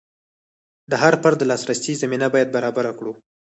د هر فرد د لاسرسي زمینه باید برابره کړو.